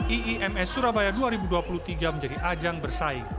iims surabaya dua ribu dua puluh tiga menjadi ajang bersaing